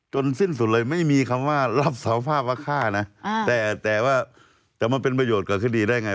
สิ้นสุดเลยไม่มีคำว่ารับสารภาพว่าฆ่านะแต่ว่าจะมาเป็นประโยชน์กับคดีได้ไง